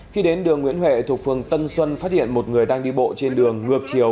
khi đến đường nguyễn huệ thuộc phường tân xuân phát hiện một người đang đi bộ trên đường ngược chiều